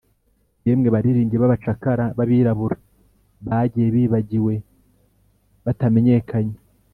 yemwe baririmbyi b'abacakara b'abirabura, bagiye, bibagiwe, batamenyekanye,